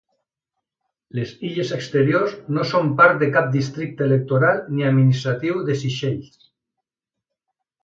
Les illes Exteriors no són part de cap districte electoral ni administratiu de Seychelles.